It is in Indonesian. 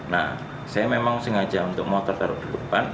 nah saya memang sengaja untuk motor taruh di depan